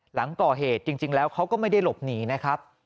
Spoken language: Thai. หลังก่อเหตุจริงแล้วเขาก็ไม่ได้หลบหนีนะครับ